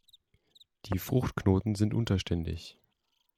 Die Fruchtknoten sind unterständig.